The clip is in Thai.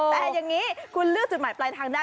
แต่อย่างนี้คุณเลือกจุดหมายปลายทางได้